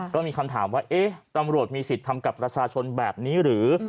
ก็มีคำถามว่าเอ๊ะตำรวจมีสิทธิ์ทำกับประชาชนแบบนี้หรือ